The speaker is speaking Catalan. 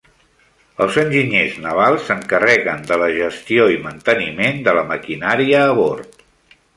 Els enginyers navals s'encarreguen de la gestió i manteniment de la maquinària a bord.